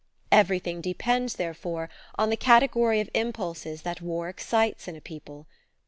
Everything depends, therefore, on the category of impulses that war excites in a people.